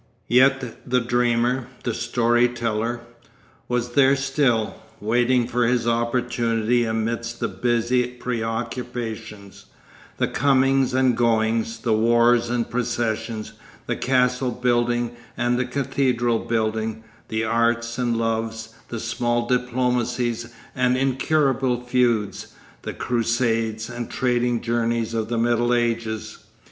Yet the dreamer, the story teller, was there still, waiting for his opportunity amidst the busy preoccupations, the comings and goings, the wars and processions, the castle building and cathedral building, the arts and loves, the small diplomacies and incurable feuds, the crusades and trading journeys of the middle ages.